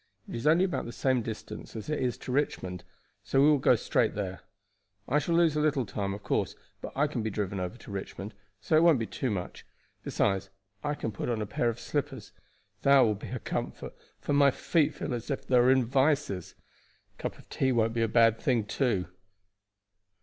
It is only about the same distance as it is to Richmond, so we will go straight there. I shall lose a little time, of course; but I can be driven over to Richmond, so it won't be too much. Besides, I can put on a pair of slippers. That will be a comfort, for my feet feel as if they were in vises. A cup of tea won't be a bad thing, too."